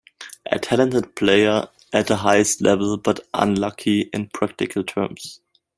A talented player at the highest level, but unlucky in practical terms.